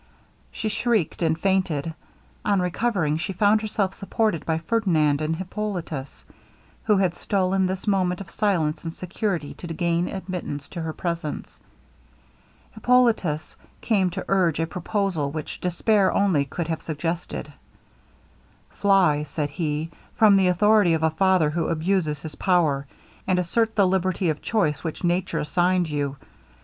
She shrieked, and fainted. On recovering, she found herself supported by Ferdinand and Hippolitus, who had stolen this moment of silence and security to gain admittance to her presence. Hippolitus came to urge a proposal which despair only could have suggested. 'Fly,' said he, 'from the authority of a father who abuses his power, and assert the liberty of choice, which nature assigned you.